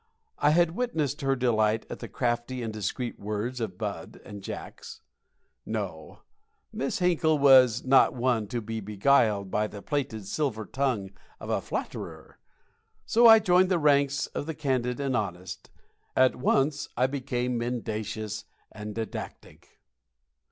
I had witnessed her delight at the crafty and discreet words of Bud and Jacks. No! Miss Hinkle was not one to be beguiled by the plated silver tongue of a flatterer. So I joined the ranks of the candid and honest. At once I became mendacious and didactic.